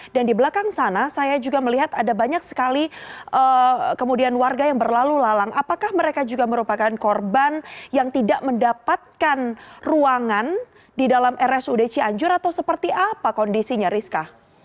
dan di belakang sana saya juga melihat ada banyak sekali kemudian warga yang berlalu lalang apakah mereka juga merupakan korban yang tidak mendapatkan ruangan di dalam rsud cianjur atau seperti apa kondisinya rizka